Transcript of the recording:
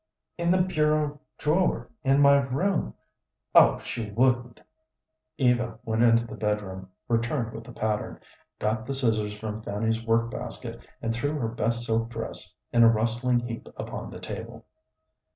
"In the bureau drawer in my room. Oh, she wouldn't." Eva went into the bedroom, returned with the pattern, got the scissors from Fanny's work basket, and threw her best silk dress in a rustling heap upon the table.